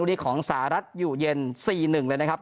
ฤวรีของสารัสอยู่เย็นสี่หนึ่งเลยนะครับ